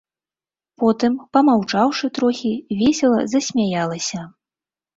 Потым, памаўчаўшы трохі, весела засмяялася.